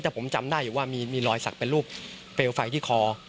แต่ผมจำได้อยู่ว่ามีรอยสักเป็นรูปเปลวไฟที่คอ